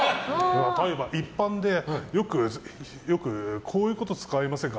例えば、一般でよくこういうこと使われませんか。